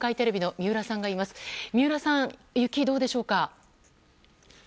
三浦さん、雪はどうでしょうか。